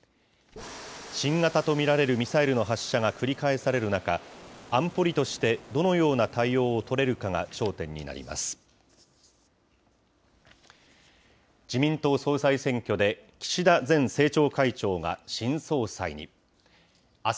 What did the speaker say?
新型とみられるミサイルの発射が繰り返される中、安保理としてどのような対応を取れるかが焦点になります。